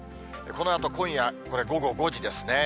このあと今夜、これ、午後５時ですね。